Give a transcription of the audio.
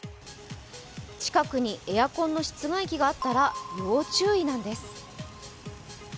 近くにエアコンの室外機があったら要注意なんです。